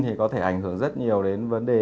thì có thể ảnh hưởng rất nhiều đến vấn đề